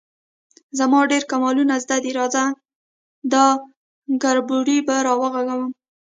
_زما ډېر کمالونه زده دي، راځه، دا کربوړی به راوغږوم.